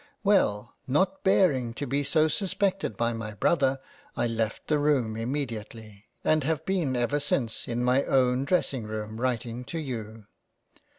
—. Well, not bearing to be so suspected by my Brother, I left the room immediately, and have been ever since in my own Dressing room writing to you.